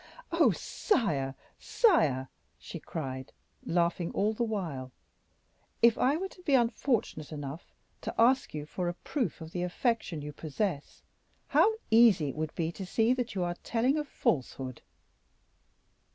"Oh! sire, sire," she cried, laughing all the while; "if I were to be unfortunate enough to ask you for a proof of the affection you possess, how easy it would be to see that you are telling a falsehood."